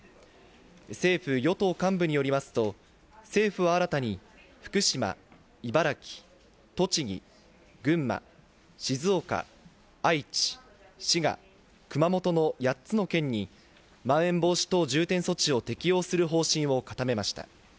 政府・与党幹部によりますと、政府は新たに福島、茨城、栃木、群馬、静岡、愛知、滋賀、熊本の８つの県にまん延防止等重点措置を適用する方針を固めました。